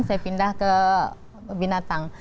saya pindah ke binatang